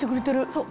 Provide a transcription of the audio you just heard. そう！